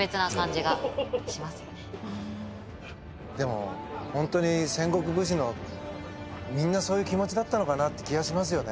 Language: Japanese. でもホントに戦国武士もみんなそういう気持ちだったのかなって気がしますよね。